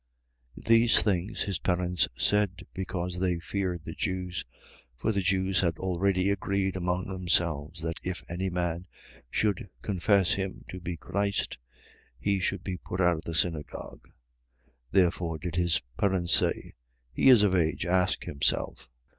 9:22. These things his parents said, because they feared the Jews: for the Jews had already agreed among themselves that if any man should confess him to be Christ, he should be put out of the synagogue. 9:23. Therefore did his parents say: He is of age. Ask himself.